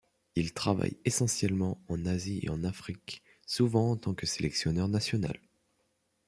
Il travaille essentiellement en Asie et en Afrique, souvent en tant que sélectionneur national.